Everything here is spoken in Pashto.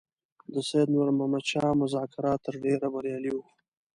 د سید نور محمد شاه مذاکرات تر ډېره بریالي وو.